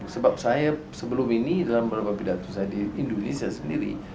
sebab saya sebelum ini dalam beberapa pidato saya di indonesia sendiri